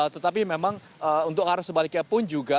tetapi memang untuk arah sebaliknya pun juga